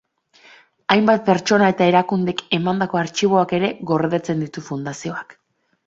Hainbat pertsona eta erakundek emandako artxiboak ere gordetzen ditu fundazioak.